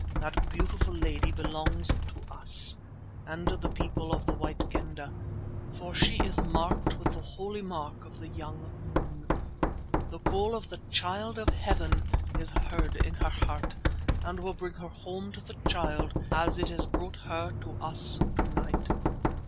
That beautiful lady belongs to us and the People of the White Kendah, for she is marked with the holy mark of the young moon. The call of the Child of Heaven is heard in her heart, and will bring her home to the Child as it has brought her to us to night.